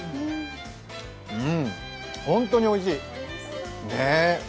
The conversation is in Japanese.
うん、本当においしい。